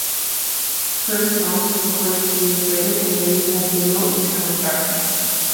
First songs were recorded two years later and released as demo "Eternal Darkness".